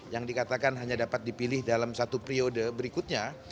yang dikatakan hanya dapat dipilih dalam satu periode berikutnya